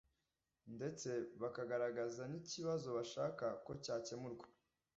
ndetse bakagaragaza nikibazo bashaka ko cyakemurwa